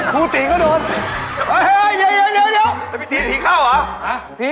หลายพระแล้วแหละพี่